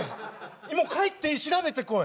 今帰って調べてこい！